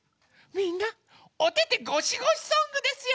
みんなおててごしごしソングですよ！